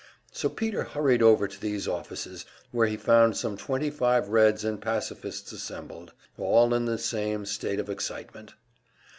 So Peter hurried over to these offices, where he found some twenty five Reds and Pacifists assembled, all in the same state of excitement.